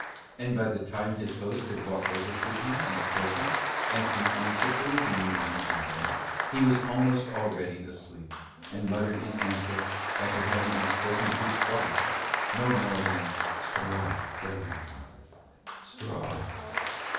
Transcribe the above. And by the time his host had walked over to him and spoken, asking anxiously if he needed nothing more, he was almost already asleep, and muttered in answer, after having been spoken to twice, no more than "Straw, reverend father, straw."